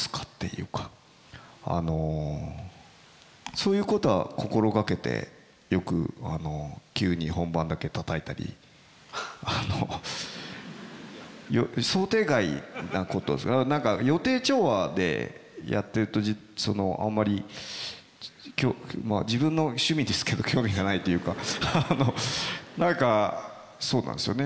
そういうことは心掛けてよく急に本番だけたたいたりあの想定外なこと何か予定調和でやってるとあんまりまあ自分の趣味ですけど興味がないというか何かそうなんですよね。